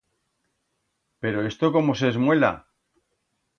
Pero esto cómo s'esmuela?